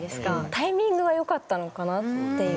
タイミングがよかったのかなっていう。